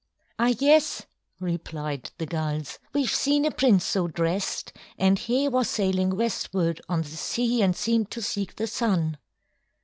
"Ah, yes," replied the Gulls. "We've seen a prince so dressed, and he was sailing westward on the sea and seemed to seek the Sun."